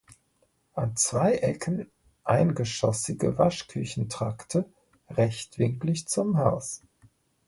An zwei Ecken eingeschossige Waschküchentrakte rechtwinklig zum Haus.